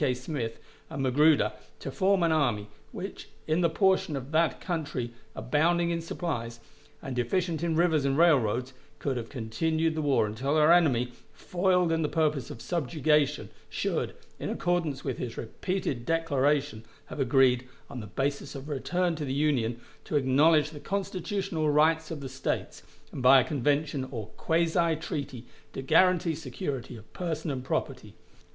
K. Smith and Magruder to form an army, which in the portion of that country abounding in supplies, and deficient in rivers and railroads, could have continued the war until our enemy, foiled in the purpose of subjugation, should, in accordance with his repeated declaration, have agreed, on the basis of a return to the Union, to acknowledge the Constitutional rights of the States, and by a convention, or quasi treaty, to guarantee security of person and property.